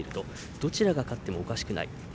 どちらが勝ってもおかしくない。